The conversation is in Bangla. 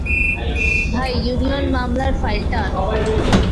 ভাই, ইউনিয়ন মামলার ফাইলটা আনো।